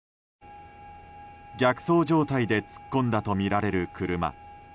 逆走状態で突っ込んだとみられる車。